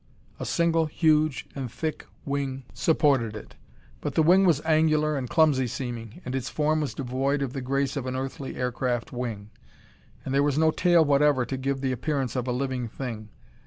A single huge and thick wing supported it. But the wing was angular and clumsy seeming, and its form was devoid of the grace of an earthly aircraft wing, and there was no tail whatever to give it the appearance of a living thing.